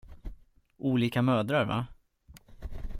Olika mödrar, va?